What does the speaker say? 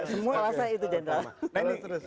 semua merasa itu jendral